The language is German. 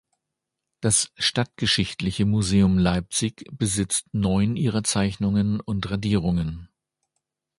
Das Stadtgeschichtliche Museum Leipzig besitzt neun ihrer Zeichnungen und Radierungen.